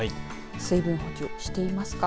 水分補給していますか。